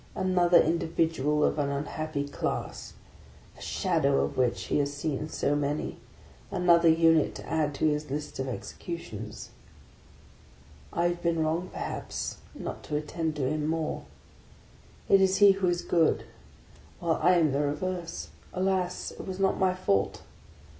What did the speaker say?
Another individual of an unhappy class, a shadow of which he has seen so many; another unit to add to his list of executions. I have been wrong, perhaps, not to attend to him more; it is he who is good, while I am the reverse. Alas ! it was not my fault.